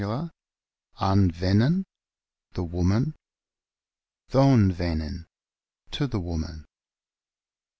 ; an venen, the woman. dho'n venen, to the woman.